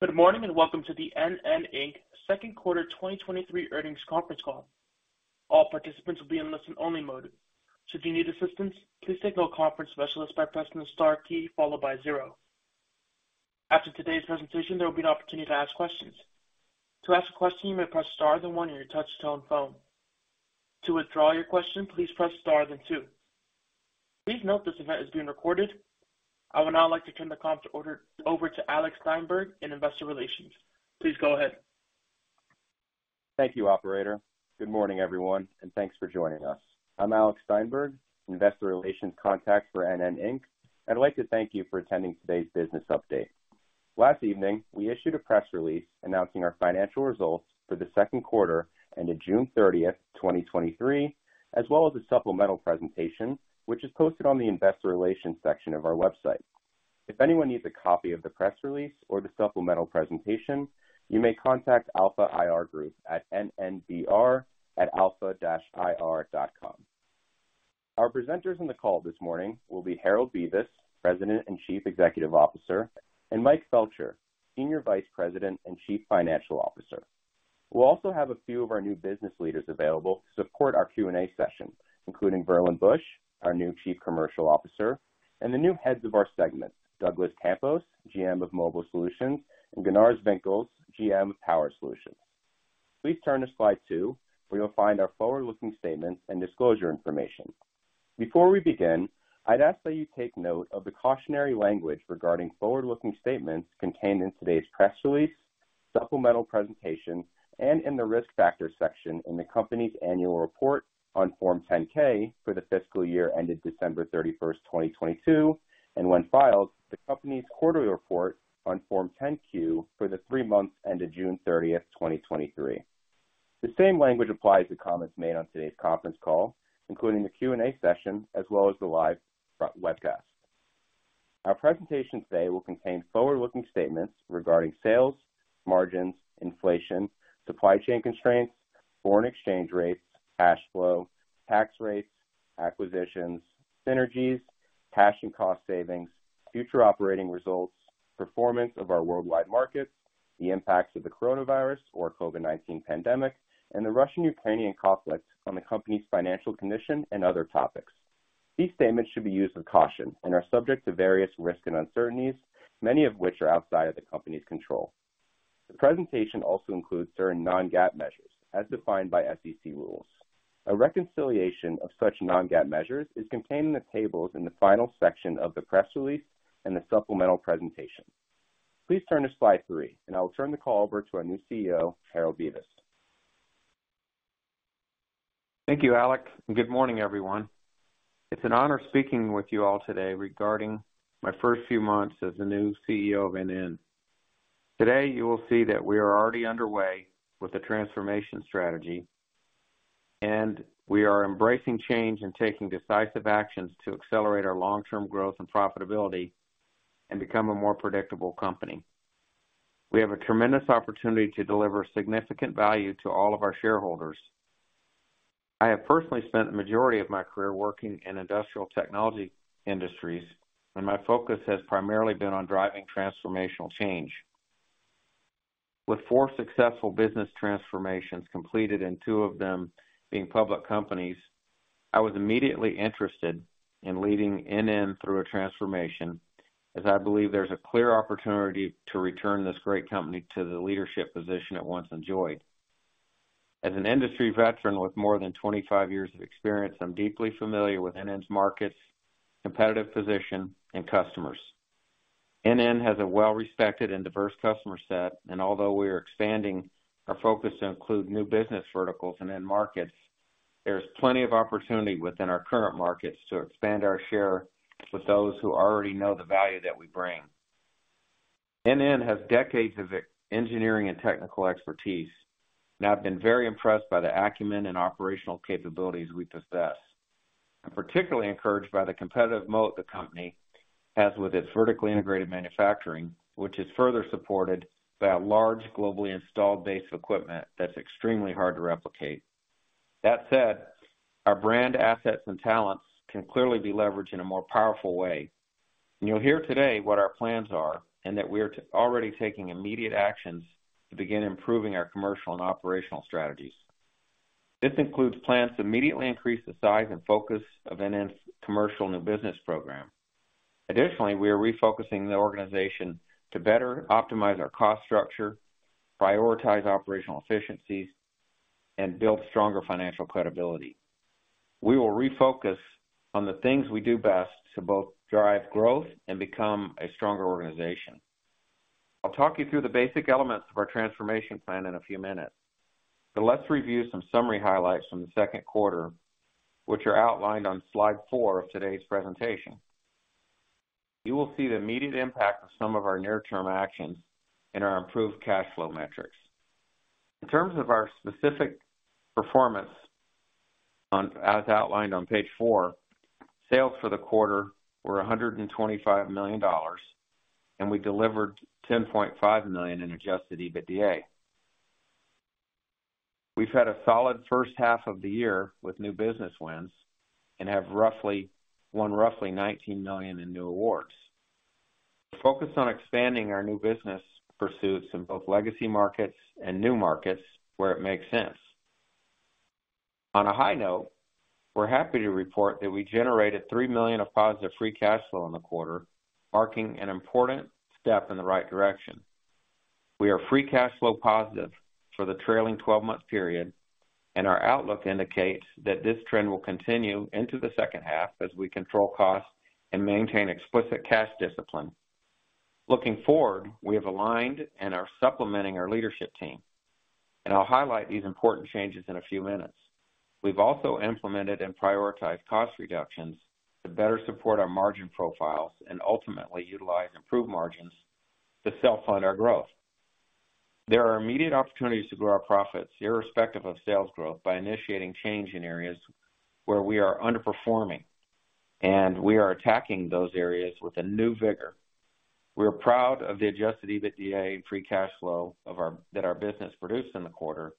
Good morning, and welcome to the NN, Inc. Second Quarter 2023 Earnings Conference Call. All participants will be in listen-only mode. If you need assistance, please take note of the conference specialist by pressing the star key followed by zero. After today's presentation, there will be an opportunity to ask questions. To ask a question, you may press star then one on your touchtone phone. To withdraw your question, please press star then two. Please note this event is being recorded. I would now like to turn the call over to Alex Steinberg in Investor Relations. Please go ahead. Thank you, operator. Good morning, everyone, thanks for joining us. I'm Alex Steinberg, Investor Relations contact for NN Inc. I'd like to thank you for attending today's business update. Last evening, we issued a press release announcing our financial results for the second quarter ended June 30, 2023, as well as a supplemental presentation, which is posted on the Investor Relations section of our website. If anyone needs a copy of the press release or the supplemental presentation, you may contact Alpha IR Group at nnbr@alpha-ir.com. Our presenters on the call this morning will be Harold Bevis, President and Chief Executive Officer, and Mike Felcher, Senior Vice President and Chief Financial Officer. We'll also have a few of our new business leaders available to support our Q&A session, including Verlin Bush, our new Chief Commercial Officer, and the new heads of our segments, Douglas Campos, GM of Mobile Solutions, and Gunars Vinkels, GM of Power Solutions. Please turn to Slide 2, where you'll find our forward-looking statements and disclosure information. Before we begin, I'd ask that you take note of the cautionary language regarding forward-looking statements contained in today's press release, supplemental presentation, and in the Risk Factors section in the company's annual report on Form 10-K for the fiscal year ended December 31st, 2022, and when filed, the company's quarterly report on Form 10-Q for the three months ended June 30th, 2023. The same language applies to comments made on today's conference call, including the Q&A session, as well as the live webcast. Our presentation today will contain forward-looking statements regarding sales, margins, inflation, supply chain constraints, foreign exchange rates, cash flow, tax rates, acquisitions, synergies, cash and cost savings, future operating results, performance of our worldwide markets, the impacts of the COVID-19 pandemic, and the Russian-Ukrainian conflict on the company's financial condition and other topics. These statements should be used with caution and are subject to various risks and uncertainties, many of which are outside of the company's control. The presentation also includes certain non-GAAP measures, as defined by SEC rules. A reconciliation of such non-GAAP measures is contained in the tables in the final section of the press release and the supplemental presentation. Please turn to Slide 3, and I will turn the call over to our new CEO, Harold Bevis. Thank you, Alex. Good morning, everyone. It's an honor speaking with you all today regarding my first few months as the new CEO of NN, Inc. Today, you will see that we are already underway with the transformation strategy. We are embracing change and taking decisive actions to accelerate our long-term growth and profitability and become a more predictable company. We have a tremendous opportunity to deliver significant value to all of our shareholders. I have personally spent the majority of my career working in industrial technology industries. My focus has primarily been on driving transformational change. With four successful business transformations completed and two of them being public companies, I was immediately interested in leading NN, Inc. through a transformation, as I believe there's a clear opportunity to return this great company to the leadership position it once enjoyed. As an industry veteran with more than 25 years of experience, I'm deeply familiar with NN's markets, competitive position, and customers. NN has a well-respected and diverse customer set, and although we are expanding our focus to include new business verticals and end markets, there's plenty of opportunity within our current markets to expand our share with those who already know the value that we bring. NN has decades of engineering and technical expertise, and I've been very impressed by the acumen and operational capabilities we possess. I'm particularly encouraged by the competitive moat the company has with its vertically integrated manufacturing, which is further supported by a large globally installed base of equipment that's extremely hard to replicate. That said, our brand, assets, and talents can clearly be leveraged in a more powerful way. You'll hear today what our plans are and that we are already taking immediate actions to begin improving our commercial and operational strategies. This includes plans to immediately increase the size and focus of NN's commercial new business program. Additionally, we are refocusing the organization to better optimize our cost structure, prioritize operational efficiencies, and build stronger financial credibility. We will refocus on the things we do best to both drive growth and become a stronger organization. I'll talk you through the basic elements of our transformation plan in a few minutes, but let's review some summary highlights from the second quarter, which are outlined on slide 4 of today's presentation. You will see the immediate impact of some of our near-term actions in our improved cash flow metrics. In terms of our specific performance on... as outlined on Page 4, sales for the quarter were $125 million. We delivered $10.5 million in Adjusted EBITDA. we've had a solid first half of the year with new business wins, won roughly $19 million in new awards. We're focused on expanding our new business pursuits in both legacy markets and new markets where it makes sense. On a high note, we're happy to report that we generated $3 million of positive free cash flow in the quarter, marking an important step in the right direction. We are free cash flow positive for the trailing 12-month period. Our outlook indicates that this trend will continue into the second half as we control costs and maintain explicit cash discipline. Looking forward, we have aligned and are supplementing our leadership team. I'll highlight these important changes in a few minutes. We've also implemented and prioritized cost reductions to better support our margin profiles and ultimately utilize improved margins to self-fund our growth. There are immediate opportunities to grow our profits, irrespective of sales growth, by initiating change in areas where we are underperforming, and we are attacking those areas with a new vigor. We are proud of the Adjusted EBITDA and free cash flow that our business produced in the quarter,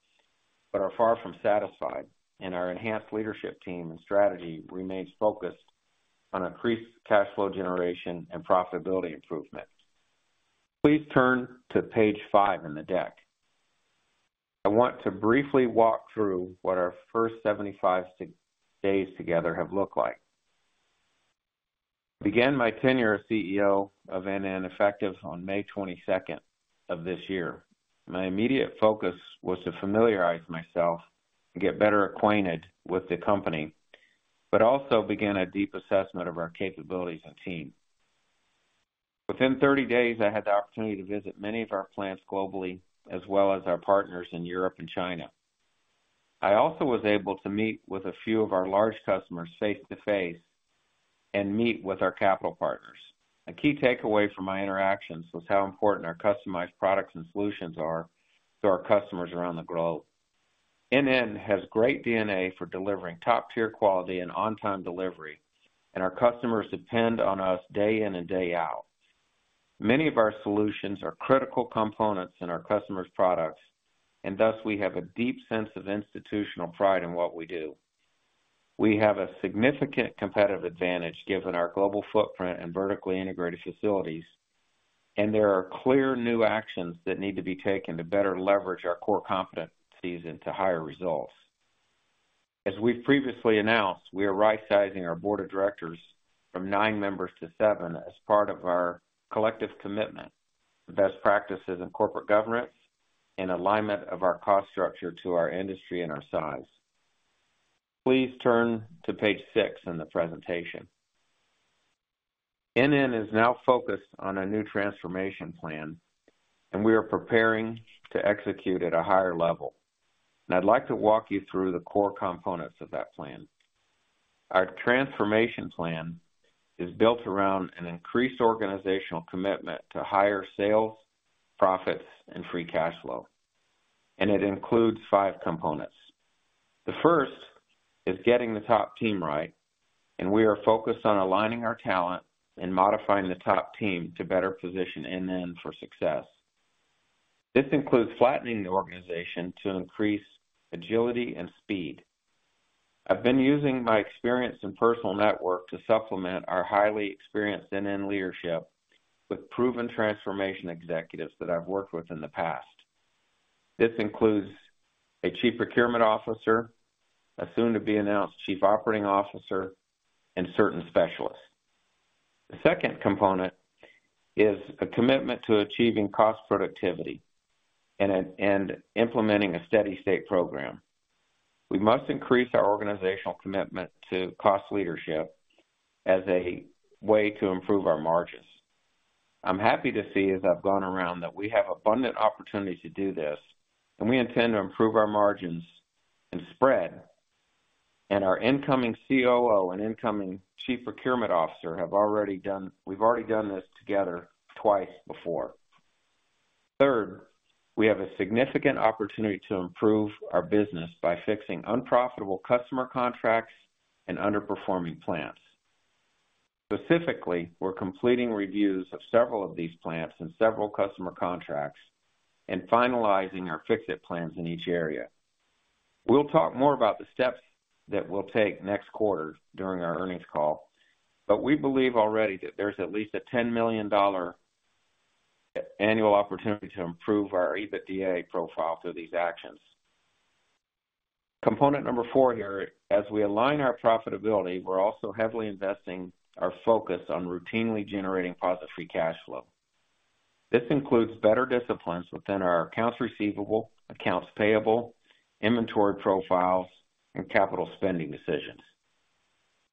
are far from satisfied, and our enhanced leadership team and strategy remains focused on increased cash flow generation and profitability improvement. Please turn to Page 5 in the deck. I want to briefly walk through what our first 75 days together have looked like. I began my tenure as CEO of NN effective on May 22nd of this year. My immediate focus was to familiarize myself and get better acquainted with the company, but also begin a deep assessment of our capabilities and team. Within 30 days, I had the opportunity to visit many of our plants globally, as well as our partners in Europe and China. I also was able to meet with a few of our large customers face-to-face and meet with our capital partners. A key takeaway from my interactions was how important our customized products and solutions are to our customers around the globe. NN has great DNA for delivering top-tier quality and on-time delivery, and our customers depend on us day in and day out. Many of our solutions are critical components in our customers' products, and thus we have a deep sense of institutional pride in what we do. We have a significant competitive advantage given our global footprint and vertically integrated facilities. There are clear new actions that need to be taken to better leverage our core competencies into higher results. As we've previously announced, we are right-sizing our board of directors from nine members to seven as part of our collective commitment to best practices in corporate governance and alignment of our cost structure to our industry and our size. Please turn to page six in the presentation. NN is now focused on a new transformation plan, and we are preparing to execute at a higher level. I'd like to walk you through the core components of that plan. Our transformation plan is built around an increased organizational commitment to higher sales, profits, and free cash flow. It includes five components. The first is getting the top team right, and we are focused on aligning our talent and modifying the top team to better position NN, Inc. for success. This includes flattening the organization to increase agility and speed. I've been using my experience and personal network to supplement our highly experienced NN, Inc. leadership with proven transformation executives that I've worked with in the past. This includes a Chief Procurement Officer, a soon-to-be-announced Chief Operating Officer, and certain specialists. The second component is a commitment to achieving cost productivity and implementing a steady state program. We must increase our organizational commitment to cost leadership as a way to improve our margins. I'm happy to see, as I've gone around, that we have abundant opportunities to do this, and we intend to improve our margins and spread, and our incoming COO and incoming Chief Procurement Officer have already done this together twice before. Third, we have a significant opportunity to improve our business by fixing unprofitable customer contracts and underperforming plants. Specifically, we're completing reviews of several of these plants and several customer contracts and finalizing our fix-it plans in each area. We'll talk more about the steps that we'll take next quarter during our earnings call, but we believe already that there's at least a $10 million annual opportunity to improve our EBITDA profile through these actions. Component number four here: as we align our profitability, we're also heavily investing our focus on routinely generating positive free cash flow. This includes better disciplines within our accounts receivable, accounts payable, inventory profiles, and capital spending decisions.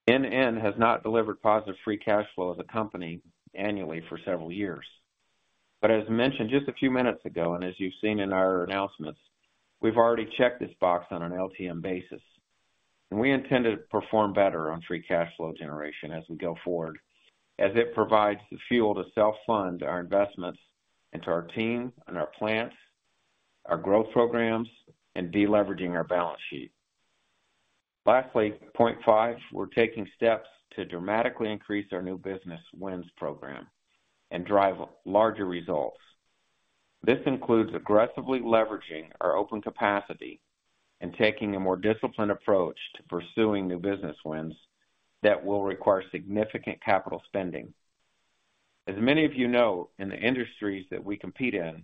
NN has not delivered positive free cash flow as a company annually for several years, but as mentioned just a few minutes ago, and as you've seen in our announcements, we've already checked this box on an LTM basis, and we intend to perform better on free cash flow generation as we go forward, as it provides the fuel to self-fund our investments into our team and our plants, our growth programs, and deleveraging our balance sheet.... lastly, point five, we're taking steps to dramatically increase our new business wins program and drive larger results. This includes aggressively leveraging our open capacity and taking a more disciplined approach to pursuing new business wins that will require significant capital spending. As many of you know, in the industries that we compete in,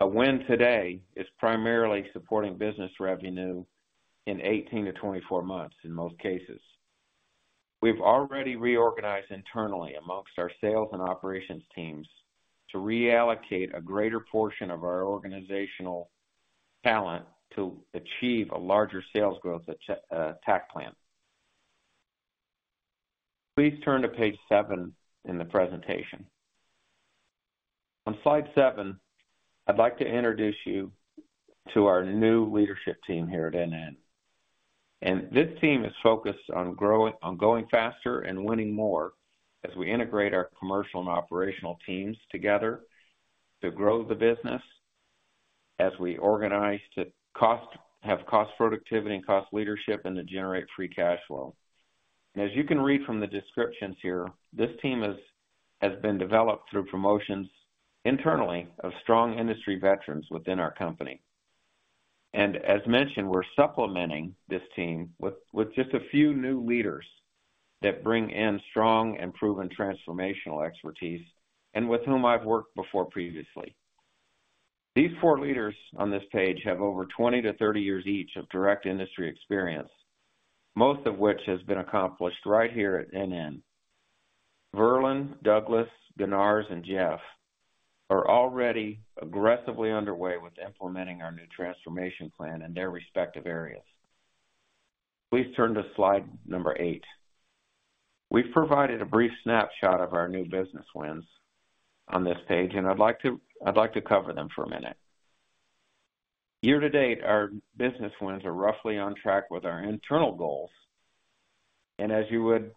a win today is primarily supporting business revenue in 18-24 months in most cases. We've already reorganized internally amongst our sales and operations teams to reallocate a greater portion of our organizational talent to achieve a larger sales growth at tack plan. Please turn to Page 7 in the presentation. On Slide 7, I'd like to introduce you to our new leadership team here at NN. This team is focused on going faster and winning more as we integrate our commercial and operational teams together to grow the business, as we organize to have cost productivity and cost leadership, and to generate free cash flow. As you can read from the descriptions here, this team has been developed through promotions internally of strong industry veterans within our company. As mentioned, we're supplementing this team with, with just a few new leaders that bring in strong and proven transformational expertise, and with whom I've worked before previously. These four leaders on this page have over 20-30 years each of direct industry experience, most of which has been accomplished right here at NN. Verlin, Douglas, Gunnars, and Jeff are already aggressively underway with implementing our new transformation plan in their respective areas. Please turn to slide number eight. We've provided a brief snapshot of our new business wins on this page, I'd like to cover them for a minute. Year to date, our business wins are roughly on track with our internal goals, and as you would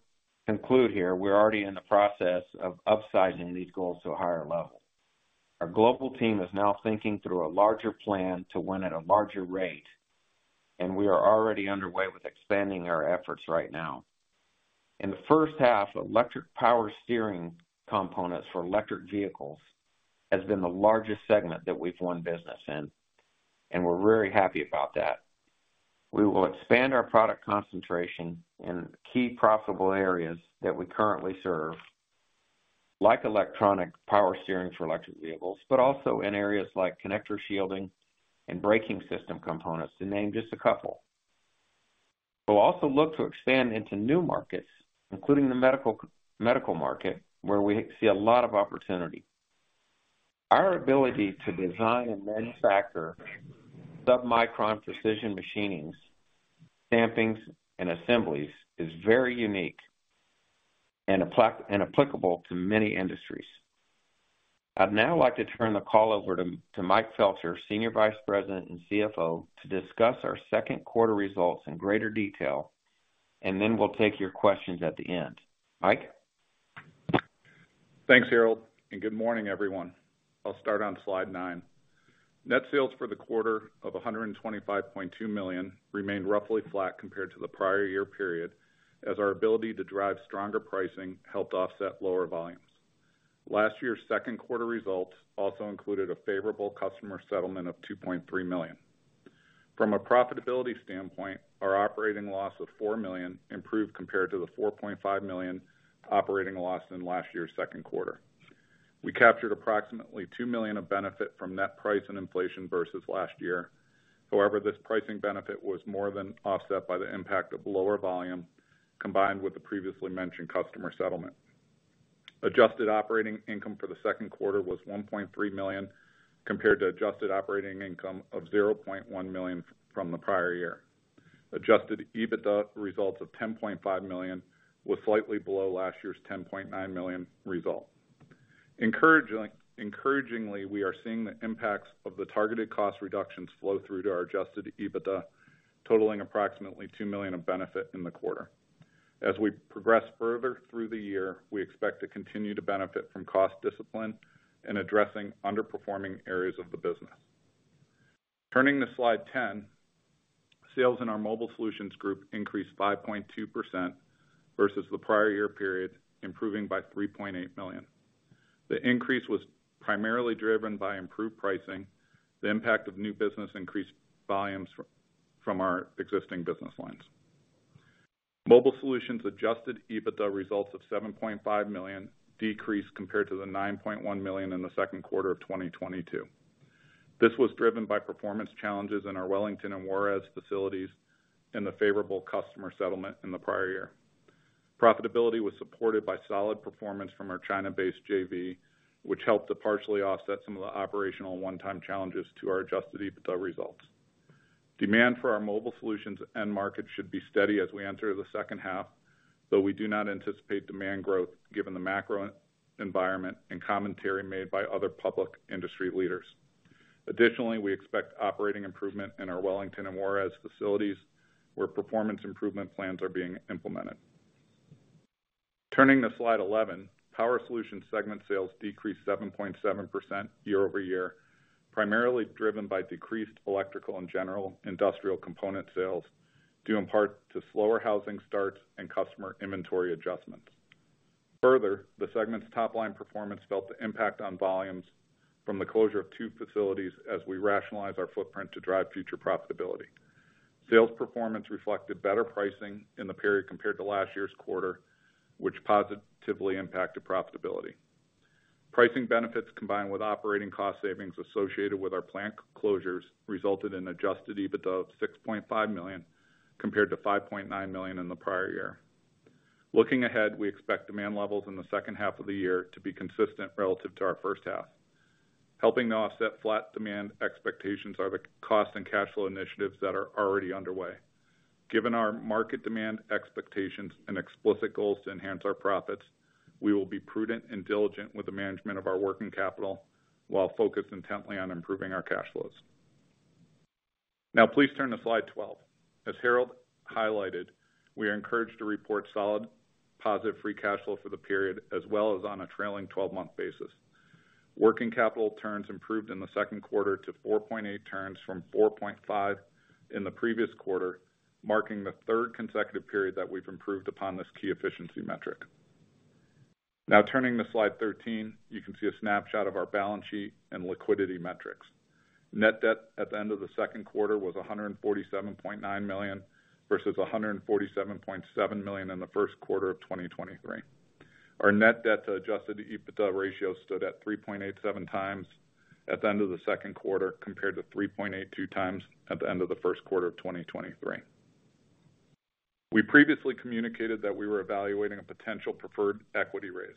conclude here, we're already in the process of upsizing these goals to a higher level. Our global team is now thinking through a larger plan to win at a larger rate, and we are already underway with expanding our efforts right now. In the first half, electric power steering components for electric vehicles has been the largest segment that we've won business in, and we're very happy about that. We will expand our product concentration in key profitable areas that we currently serve, like electric power steering for electric vehicles, but also in areas like connector shielding and braking system components, to name just a couple. We'll also look to expand into new markets, including the medical market, where we see a lot of opportunity. Our ability to design and manufacture submicron precision machinings, stampings, and assemblies is very unique and applicable to many industries. I'd now like to turn the call over to Mike Felcher, Senior Vice President and CFO, to discuss our second quarter results in greater detail, and then we'll take your questions at the end. Mike? Thanks, Harold. Good morning, everyone. I'll start on Slide 9. Net sales for the quarter of $125.2 million remained roughly flat compared to the prior-year period, as our ability to drive stronger pricing helped offset lower volumes. Last year's second quarter results also included a favorable customer settlement of $2.3 million. From a profitability standpoint, our operating loss of $4 million improved compared to the $4.5 million operating loss in last year's second quarter. We captured approximately $2 million of benefit from net price and inflation versus last year. However, this pricing benefit was more than offset by the impact of lower volume, combined with the previously mentioned customer settlement. Adjusted operating income for the second quarter was $1.3 million, compared to adjusted operating income of $0.1 million from the prior-year. Adjusted EBITDA results of $10.5 million was slightly below last year's $10.9 million result. Encouragingly, we are seeing the impacts of the targeted cost reductions flow through to our Adjusted EBITDA, totaling approximately $2 million of benefit in the quarter. As we progress further through the year, we expect to continue to benefit from cost discipline in addressing underperforming areas of the business. Turning to Slide 10, sales in our Mobile Solutions group increased 5.2% versus the prior year period, improving by $3.8 million. The increase was primarily driven by improved pricing, the impact of new business increased volumes from our existing business lines. Mobile Solutions Adjusted EBITDA results of $7.5 million decreased compared to the $9.1 million in the second quarter of 2022. This was driven by performance challenges in our Wellington and Juarez facilities and the favorable customer settlement in the prior year. Profitability was supported by solid performance from our China-based JV, which helped to partially offset some of the operational one-time challenges to our Adjusted EBITDA results. Demand for our Mobile Solutions end market should be steady as we enter the second half, though we do not anticipate demand growth given the macro environment and commentary made by other public industry leaders. Additionally, we expect operating improvement in our Wellington and Juarez facilities, where performance improvement plans are being implemented.... Turning to Slide 11, Power Solutions segment sales decreased 7.7% year-over-year, primarily driven by decreased electrical and general industrial component sales, due in part to slower housing starts and customer inventory adjustments. Further, the segment's top line performance felt the impact on volumes from the closure of two facilities as we rationalize our footprint to drive future profitability. Sales performance reflected better pricing in the period compared to last year's quarter, which positively impacted profitability. Pricing benefits, combined with operating cost savings associated with our plant closures, resulted in Adjusted EBITDA of $6.5 million, compared to $5.9 million in the prior year. Looking ahead, we expect demand levels in the second half of the year to be consistent relative to our first half. Helping to offset flat demand expectations are the cost and cash flow initiatives that are already underway. Given our market demand expectations and explicit goals to enhance our profits, we will be prudent and diligent with the management of our working capital, while focused intently on improving our cash flows. Please turn to slide 12. As Harold highlighted, we are encouraged to report solid, positive free cash flow for the period as well as on a trailing 12-month basis. Working capital turns improved in the second quarter to 4.8 turns from 4.5 in the previous quarter, marking the third consecutive period that we've improved upon this key efficiency metric. Turning to Slide 13, you can see a snapshot of our balance sheet and liquidity metrics. Net debt at the end of the second quarter was $147.9 million, versus $147.7 million in the first quarter of 2023. Our net debt to Adjusted EBITDA ratio stood at 3.87 times at the end of the second quarter, compared to 3.82 times at the end of the first quarter of 2023. We previously communicated that we were evaluating a potential preferred equity raise.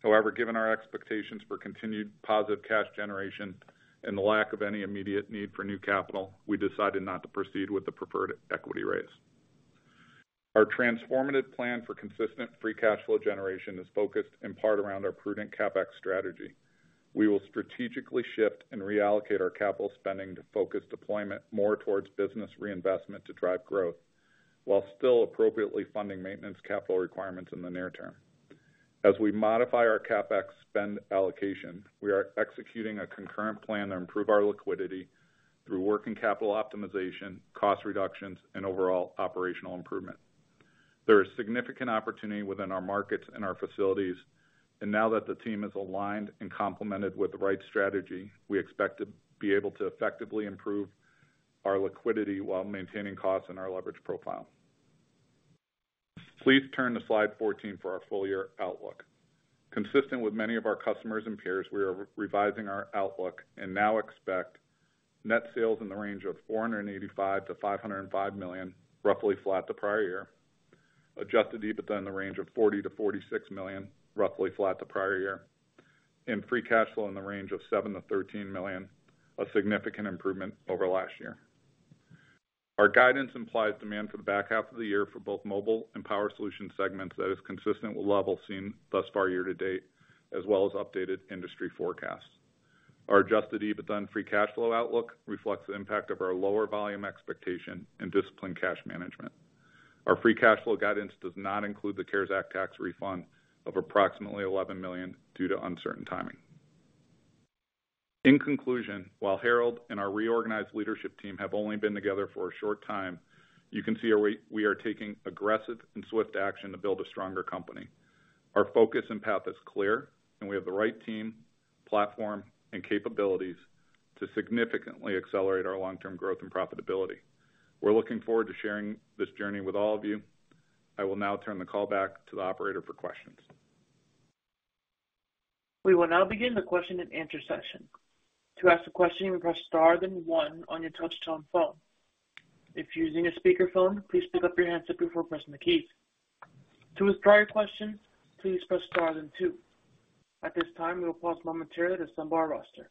However, given our expectations for continued positive cash generation and the lack of any immediate need for new capital, we decided not to proceed with the preferred equity raise. Our transformative plan for consistent free cash flow generation is focused in part around our prudent CapEx strategy. We will strategically shift and reallocate our capital spending to focus deployment more towards business reinvestment to drive growth, while still appropriately funding maintenance capital requirements in the near term. As we modify our CapEx spend allocation, we are executing a concurrent plan to improve our liquidity through working capital optimization, cost reductions, and overall operational improvement. There is significant opportunity within our markets and our facilities, and now that the team is aligned and complemented with the right strategy, we expect to be able to effectively improve our liquidity while maintaining costs and our leverage profile. Please turn to Slide 14 for our full year outlook. Consistent with many of our customers and peers, we are revising our outlook and now expect net sales in the range of $485 million-$505 million, roughly flat to prior year. Adjusted EBITDA in the range of $40 million-$46 million, roughly flat to prior year, and free cash flow in the range of $7 million-$13 million, a significant improvement over last year. Our guidance implies demand for the back half of the year for both Mobile Solutions and Power Solutions segments that is consistent with levels seen thus far year to date, as well as updated industry forecasts. Our Adjusted EBITDA and free cash flow outlook reflects the impact of our lower volume expectation and disciplined cash management. Our free cash flow guidance does not include the CARES Act tax refund of approximately $11 million due to uncertain timing. In conclusion, while Harold and our reorganized leadership team have only been together for a short time, you can see we are taking aggressive and swift action to build a stronger company. Our focus and path is clear, and we have the right team, platform, and capabilities to significantly accelerate our long-term growth and profitability. We're looking forward to sharing this journey with all of you. I will now turn the call back to the operator for questions. We will now begin the question and answer session. To ask a question, press star, then one on your touchtone phone. If you're using a speakerphone, please pick up your handset before pressing the keys. To withdraw your question, please press star then two. At this time, we will pause momentarily to assemble our roster.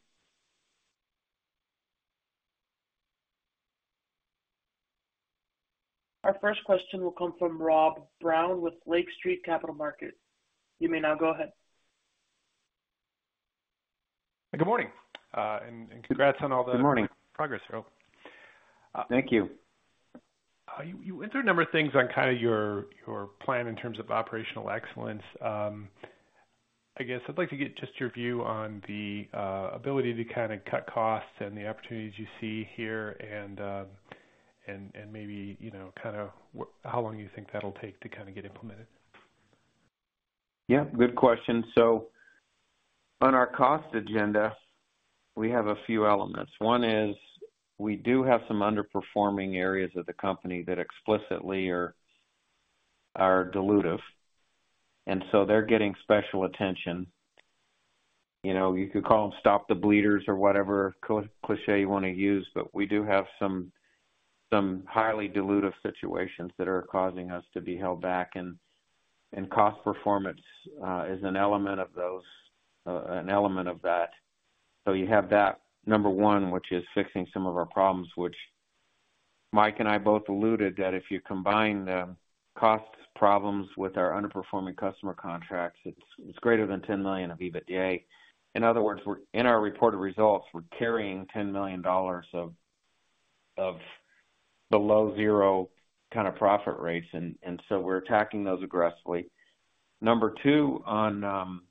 Our first question will come from Rob Brown with Lake Street Capital Markets. You may now go ahead. Good morning, and, and congrats on all the- Good morning. progress, Harold. Thank you. You, you went through a number of things on kinda your, your plan in terms of operational excellence. I guess I'd like to get just your view on the ability to kinda cut costs and the opportunities you see here and, and maybe, you know, how long you think that'll take to kinda get implemented? Yeah, good question. On our cost agenda, we have a few elements. One is we do have some underperforming areas of the company that explicitly are, are dilutive, and so they're getting special attention. You know, you could call them stop the bleeders or whatever cliche you wanna use, but we do have some, some highly dilutive situations that are causing us to be held back, and, and cost performance is an element of those, an element of that. You have that, number one, which is fixing some of our problems, which Mike and I both alluded, that if you combine the costs problems with our underperforming customer contracts, it's, it's greater than $10 million of EBITDA. In other words, we're in our reported results, we're carrying $10 million of. Of the low zero kind of profit rates, and so we're attacking those aggressively. Number two, on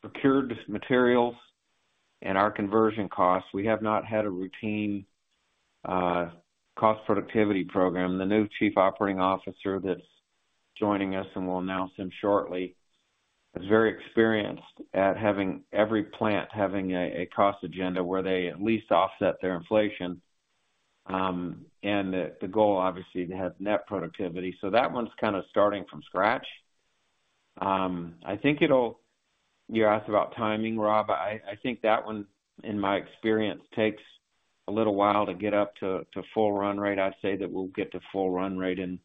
procured materials and our conversion costs, we have not had a routine cost productivity program. The new chief operating officer that's joining us, and we'll announce him shortly, is very experienced at having every plant having a cost agenda where they at least offset their inflation. The goal, obviously, to have net productivity. That one's kind of starting from scratch. I think it'll- you asked about timing, Rob. I think that one, in my experience, takes a little while to get up to full run rate. I'd say that we'll get to full run rate in,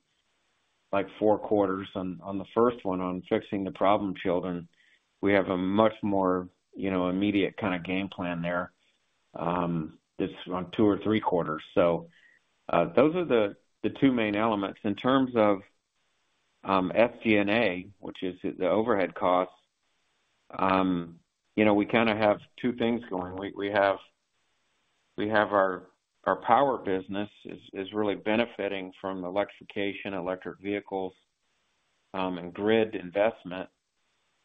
like, four quarters. On, on the first one, on fixing the problem children, we have a much more, you know, immediate kind of game plan there, that's on two or three quarters. Those are the, the two main elements. In terms of SG&A, which is the overhead costs, you know, we kind of have two things going. We, we have, we have our- our power business is, is really benefiting from electrification, electric vehicles, and grid investment,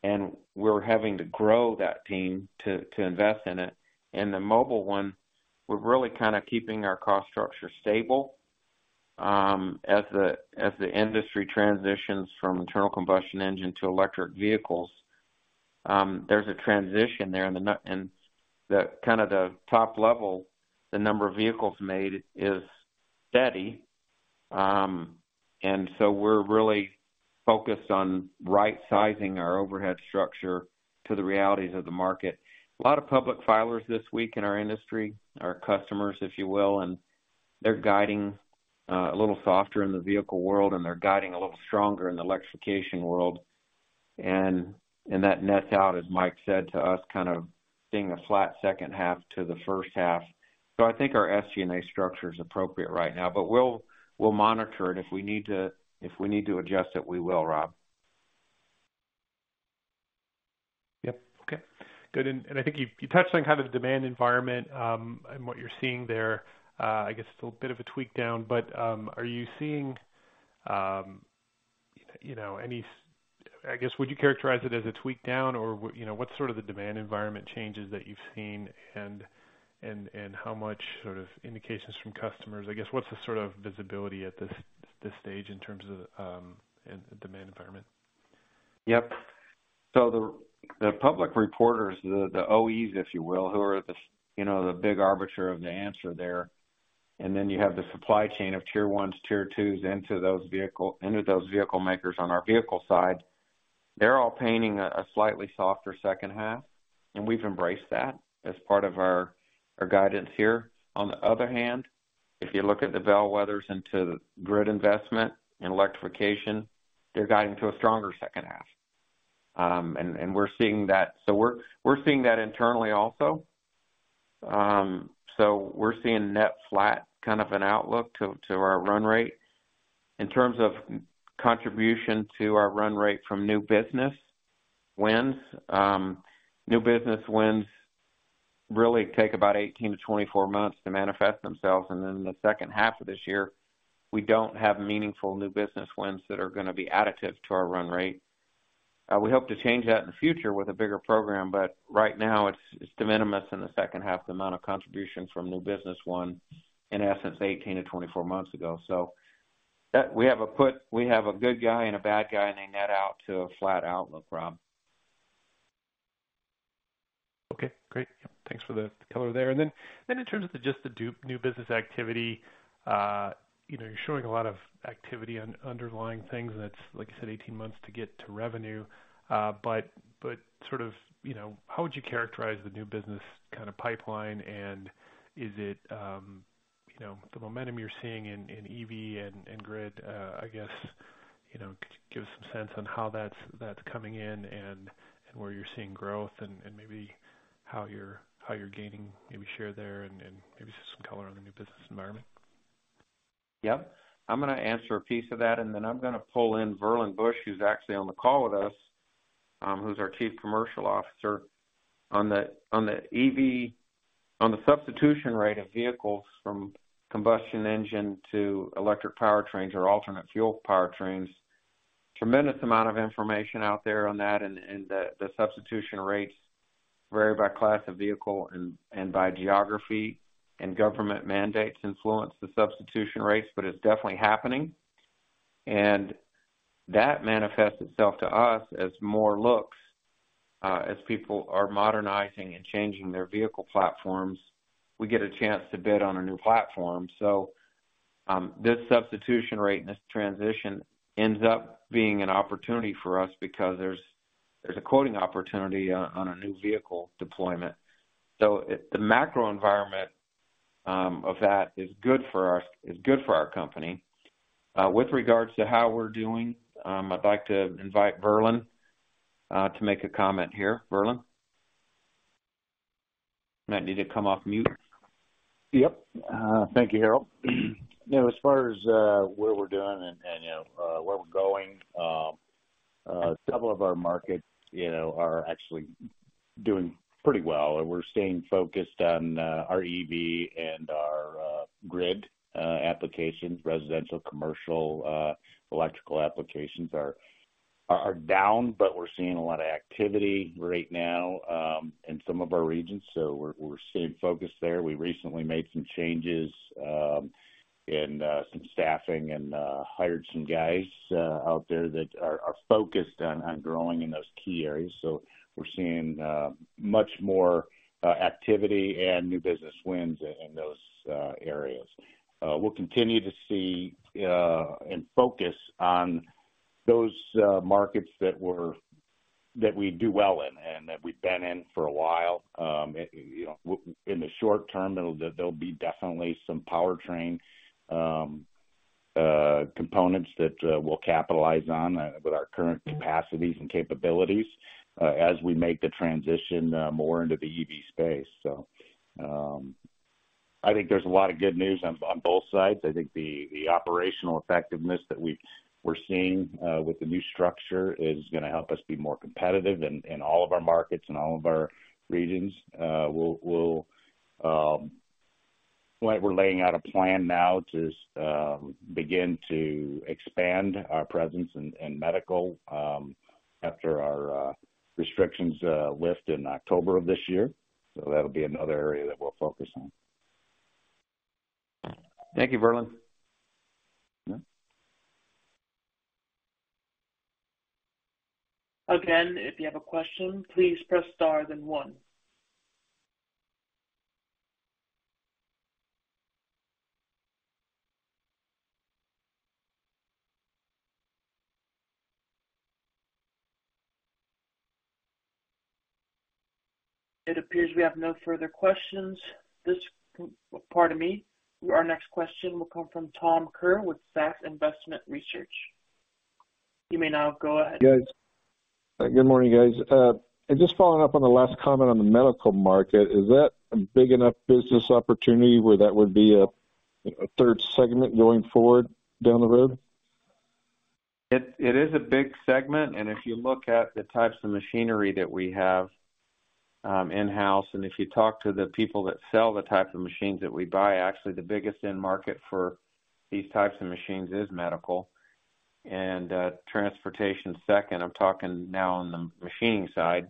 and we're having to grow that team to, to invest in it. The mobile one, we're really kind of keeping our cost structure stable. As the, as the industry transitions from internal combustion engine to electric vehicles, there's a transition there. The n- and the kind of the top level, the number of vehicles made is steady. We're really focused on right-sizing our overhead structure to the realities of the market. A lot of public filers this week in our industry, our customers, if you will, and they're guiding a little softer in the vehicle world, and they're guiding a little stronger in the electrification world. And that nets out, as Mike said to us, kind of being a flat second half to the first half. I think our SG&A structure is appropriate right now, but we'll, we'll monitor it. If we need to, if we need to adjust it, we will, Rob. Yep. Okay, good. I think you, you touched on kind of the demand environment, and what you're seeing there. I guess it's a little bit of a tweak down, but are you seeing, you know, I guess, would you characterize it as a tweak down, or you know, what's sort of the demand environment changes that you've seen and, and, and how much sort of indications from customers? I guess, what's the sort of visibility at this, this stage in terms of, in the demand environment? Yep. The, the public reporters, the, the OEs, if you will, who are the, you know, the big arbiter of the answer there, and then you have the supply chain of Tier Ones, Tier Twos into those vehicle makers on our vehicle side. They're all painting a, a slightly softer second half, and we've embraced that as part of our, our guidance here. On the other hand, if you look at the bellwethers into the grid investment and electrification, they're guiding to a stronger second half. And we're seeing that... So we're, we're seeing that internally also. We're seeing net flat kind of an outlook to, to our run rate. In terms of contribution to our run rate from new business wins, new business wins really take about 18 to 24 months to manifest themselves. Then in the second half of this year, we don't have meaningful new business wins that are gonna be additive to our run rate. We hope to change that in the future with a bigger program, but right now, it's de minimis in the second half, the amount of contributions from new business won, in essence, 18-24 months ago. We have a good guy and a bad guy, and they net out to a flat outlook, Rob. Okay, great. Yep, thanks for the color there. Then, then in terms of just the new business activity, you know, you're showing a lot of activity underlying things, and it's, like you said, 18 months to get to revenue. But, but sort of, you know, how would you characterize the new business kind of pipeline? Is it, you know, the momentum you're seeing in, in EV and, and grid, I guess, you know, give us some sense on how that's, that's coming in and, and where you're seeing growth and, and maybe how you're, how you're gaining maybe share there, and, and maybe just some color on the new business environment? Yep. I'm gonna answer a piece of that, and then I'm gonna pull in Verlin Bush, who's actually on the call with us, who's our Chief Commercial Officer. On the substitution rate of vehicles from combustion engine to electric powertrains or alternate fuel powertrains, tremendous amount of information out there on that, and the substitution rates vary by class of vehicle and by geography, and government mandates influence the substitution rates, but it's definitely happening. That manifests itself to us as more looks. As people are modernizing and changing their vehicle platforms, we get a chance to bid on a new platform. This substitution rate and this transition ends up being an opportunity for us because there's a quoting opportunity on a new vehicle deployment. The macro environment, of that is good for our company. With regards to how we're doing, I'd like to invite Verlin, to make a comment here. Verlin? Might need to come off mute. Yep. Thank you, Harold. You know, as far as, where we're doing and, and, you know, where we're going…... several of our markets, you know, are actually doing pretty well, and we're staying focused on our EV and our grid applications. Residential, commercial, electrical applications are down, but we're seeing a lot of activity right now in some of our regions, so we're staying focused there. We recently made some changes in some staffing and hired some guys out there that are focused on growing in those key areas. We're seeing much more activity and new business wins in those areas. We'll continue to see and focus on those markets that we do well in and that we've been in for a while. You know, in the short term, there'll, there'll be definitely some powertrain components that we'll capitalize on with our current capacities and capabilities as we make the transition more into the EV space. I think there's a lot of good news on both sides. I think the operational effectiveness that we've-- we're seeing with the new structure is going to help us be more competitive in all of our markets and all of our regions. We'll, we'll. We're laying out a plan now to begin to expand our presence in medical after our restrictions lift in October of this year. That'll be another area that we'll focus on. Thank you, Verlin. Again, if you have a question, please press star then one. It appears we have no further questions. Pardon me. Our next question will come from Tom Kerr with Zacks Investment Research. You may now go ahead. Guys, good morning, guys. Just following up on the last comment on the medical market, is that a big enough business opportunity where that would be a, a third segment going forward down the road? It, it is a big segment. If you look at the types of machinery that we have, in-house, if you talk to the people that sell the types of machines that we buy, actually, the biggest end market for these types of machines is medical, transportation second. I'm talking now on the machining side.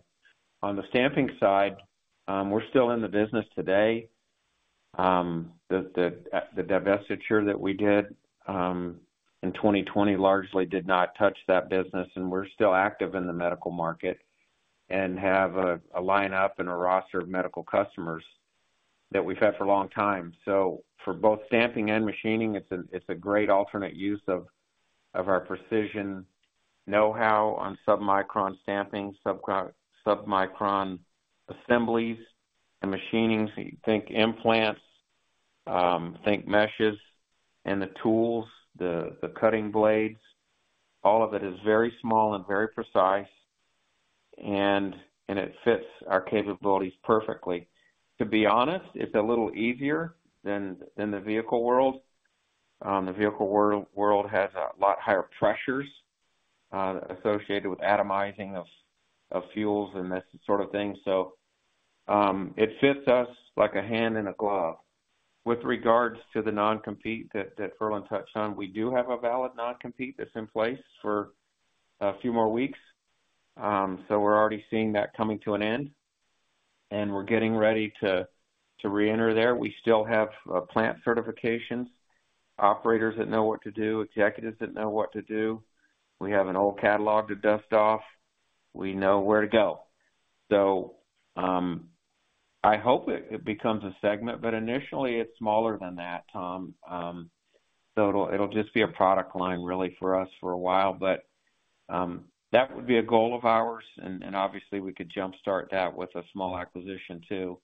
On the stamping side, we're still in the business today. The, the, the divestiture that we did, in 2020 largely did not touch that business. We're still active in the medical market and have a, a lineup and a roster of medical customers that we've had for a long time. For both stamping and machining, it's a, it's a great alternate use of, of our precision know-how on submicron stamping, submicron assemblies and machinings. Think implants, think meshes and the tools, the, the cutting blades. All of it is very small and very precise, and it fits our capabilities perfectly. To be honest, it's a little easier than in the vehicle world. The vehicle world, world has a lot higher pressures associated with atomizing of, of fuels and this sort of thing. It fits us like a hand in a glove. With regards to the non-compete that, that Verlin touched on, we do have a valid non-compete that's in place for a few more weeks. We're already seeing that coming to an end, and we're getting ready to, to reenter there. We still have plant certifications, operators that know what to do, executives that know what to do. We have an old catalog to dust off. We know where to go. I hope it, it becomes a segment, but initially it's smaller than that, Tom. It'll, it'll just be a product line, really, for us for a while, but that would be a goal of ours, and, and obviously we could jumpstart that with a small acquisition too.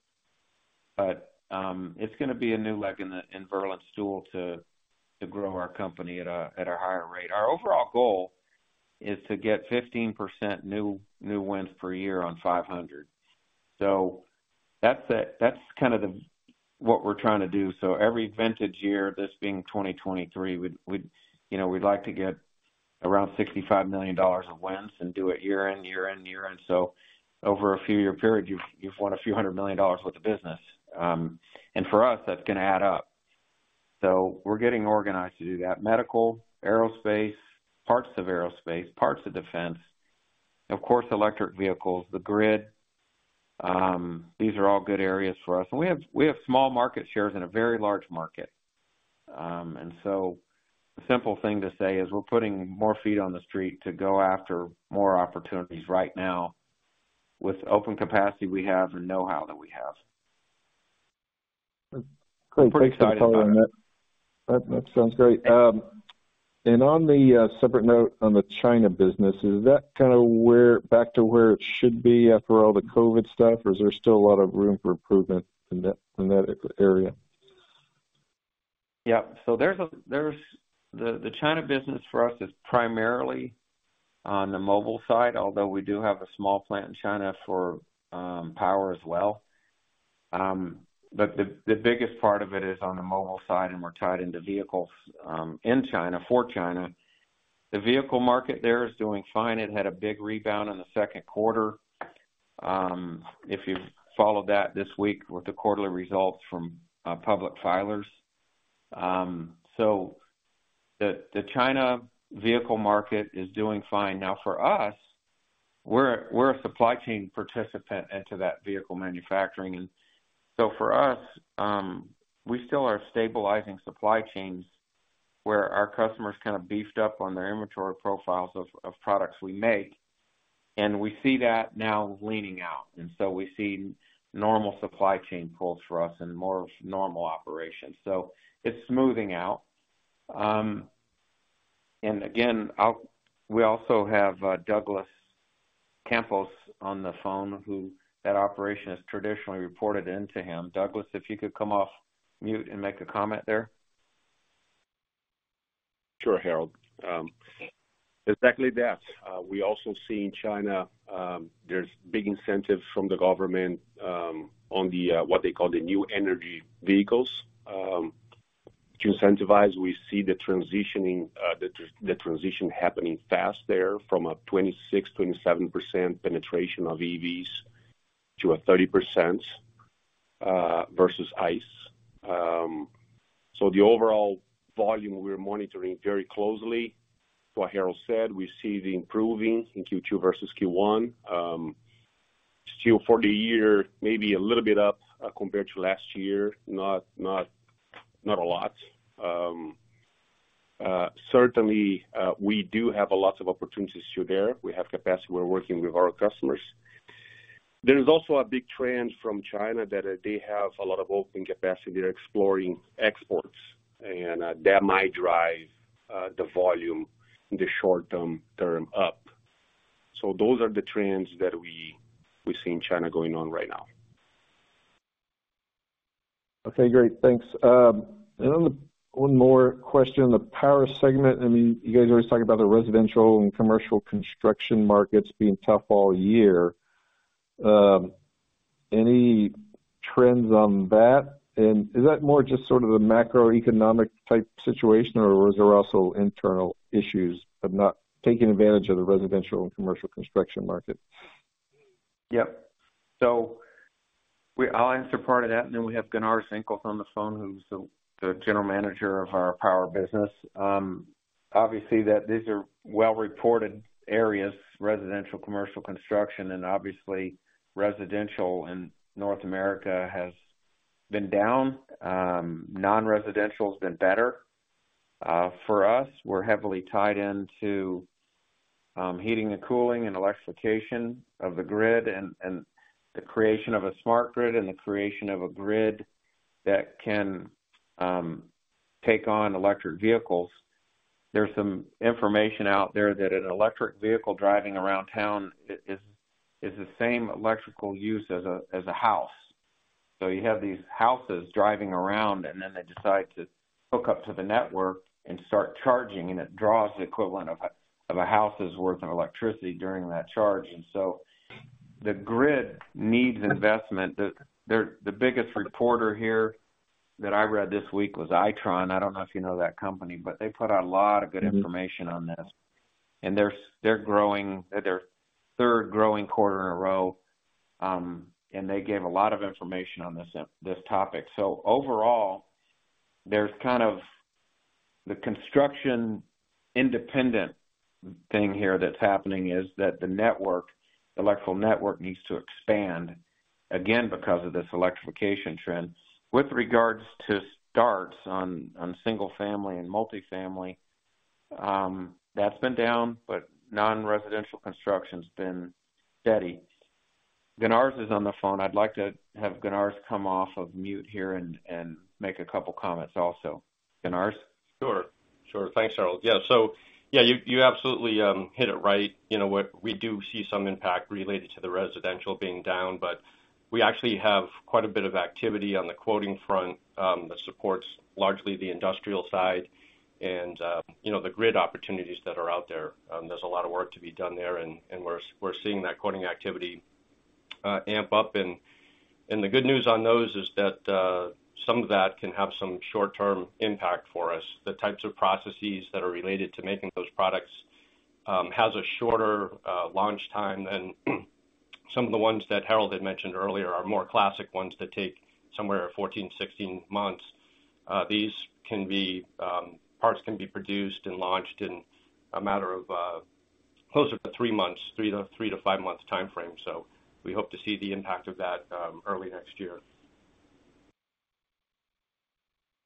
It's going to be a new leg in the, in Verlin's stool to, to grow our company at a, at a higher rate. Our overall goal is to get 15% new, new wins per year on 500. That's kind of the, what we're trying to do. Every vintage year, this being 2023, we'd, we'd, you know, we'd like to get around $65 million of wins and do it year-end, year-end, year-end. Over a few year period, you've, you've won a few hundred million dollars worth of business. For us, that's going to add up. So we're getting organized to do that. Medical, aerospace, parts of aerospace, parts of defense, of course, electric vehicles, the grid, these are all good areas for us. We have, we have small market shares in a very large market. So the simple thing to say is we're putting more feet on the street to go after more opportunities right now with open capacity we have and know-how that we have. Great. Thanks for calling in. That, that sounds great. On the separate note on the China business, is that kind of back to where it should be after all the COVID stuff, or is there still a lot of room for improvement in that, in that area? Yeah. The, the China business for us is primarily on the mobile side, although we do have a small plant in China for power as well. The, the biggest part of it is on the mobile side, and we're tied into vehicles in China, for China. The vehicle market there is doing fine. It had a big rebound in the second quarter. If you followed that this week with the quarterly results from public filers. The, the China vehicle market is doing fine. Now, for us, we're, we're a supply chain participant into that vehicle manufacturing. So for us, we still are stabilizing supply chains where our customers kind of beefed up on their inventory profiles of, of products we make, and we see that now leaning out. We see normal supply chain pulls for us and more normal operations. It's smoothing out. Again, we also have Douglas Campos on the phone, who that operation is traditionally reported into him. Douglas, if you could come off mute and make a comment there? Sure, Harold. Exactly that. We also see in China, there's big incentives from the government on the what they call the new energy vehicles. To incentivize, we see the transitioning, the transition happening fast there from a 26%-27% penetration of EVs to a 30% versus ICE. The overall volume, we're monitoring very closely. What Harold said, we see the improving in Q2 versus Q1. Still for the year, maybe a little bit up compared to last year, not a lot. Certainly, we do have a lots of opportunities through there. We have capacity. We're working with our customers. There is also a big trend from China that they have a lot of open capacity. They're exploring exports, and, that might drive, the volume in the short term, term up. Those are the trends that we, we see in China going on right now. Okay, great. Thanks. On the... One more question on the Power segment. I mean, you guys are always talking about the residential and commercial construction markets being tough all year. Any trends on that? Is that more just sort of a macroeconomic-type situation, or is there also internal issues of not taking advantage of the residential and commercial construction market? Yep. I'll answer part of that, and then we have Gunars Vinkels on the phone, who's the general manager of our Power Solutions. Obviously, that these are well-reported areas, residential, commercial, construction, and obviously residential in North America has been down. Non-residential has been better. For us, we're heavily tied into heating and cooling and electrification of the grid and the creation of a smart grid and the creation of a grid that can take on electric vehicles. There's some information out there that an electric vehicle driving around town is the same electrical use as a house. You have these houses driving around, and then they decide to hook up to the network and start charging, and it draws the equivalent of a house's worth of electricity during that charge. The grid needs investment. The biggest reporter here that I read this week was Itron. I don't know if you know that company, but they put a lot of good information on this. They're, they're growing, at their third growing quarter in a row, and they gave a lot of information on this, this topic. Overall, there's kind of the construction independent thing here that's happening is that the network, electrical network, needs to expand, again, because of this electrification trend. With regards to starts on, on single-family and multifamily, that's been down, but non-residential construction's been steady. Gunnar is on the phone. I'd like to have Gunnar come off of mute here and make a couple of comments also. Gunnar? Sure. Sure. Thanks, Harold. Yeah, yeah, you, you absolutely hit it right. You know what? We do see some impact related to the residential being down, but we actually have quite a bit of activity on the quoting front that supports largely the industrial side and, you know, the grid opportunities that are out there. There's a lot of work to be done there, and we're, we're seeing that quoting activity amp up. The good news on those is that some of that can have some short-term impact for us. The types of processes that are related to making those products has a shorter launch time than some of the ones that Harold had mentioned earlier are more classic ones that take somewhere 14, 16 months. Parts can be produced and launched in a matter of, closer to three months, three to five months timeframe. We hope to see the impact of that early next year.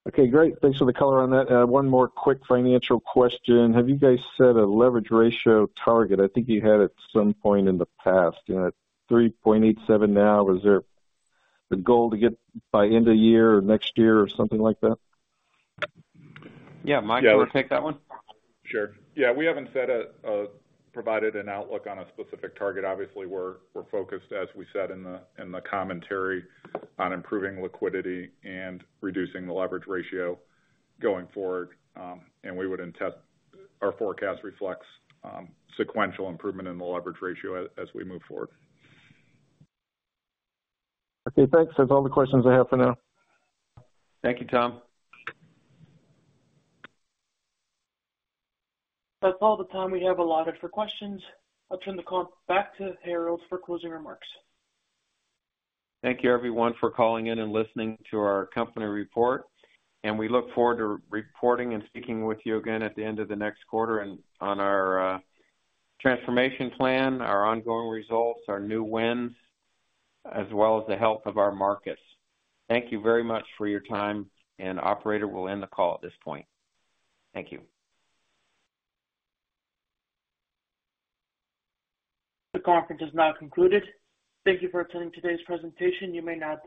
Okay, great. Thanks for the color on that. One more quick financial question: Have you guys set a leverage ratio target? I think you had at some point in the past, you know, at 3.87 now. Is there the goal to get by end of year or next year or something like that? Yeah, Mike, do you want to take that one? Sure. Yeah, we haven't set a, provided an outlook on a specific target. Obviously, we're, we're focused, as we said in the, in the commentary, on improving liquidity and reducing the leverage ratio going forward. Our forecast reflects, sequential improvement in the leverage ratio as, as we move forward. Okay, thanks. That's all the questions I have for now. Thank you, Tom. That's all the time we have allotted for questions. I'll turn the call back to Harold for closing remarks. Thank you, everyone, for calling in and listening to our company report. We look forward to reporting and speaking with you again at the end of the next quarter and on our transformation plan, our ongoing results, our new wins, as well as the health of our markets. Thank you very much for your time. Operator, we'll end the call at this point. Thank you. The conference is now concluded. Thank you for attending today's presentation. You may now disconnect.